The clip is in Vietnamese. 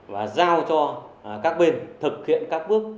và giao cho các bên thực hiện các bước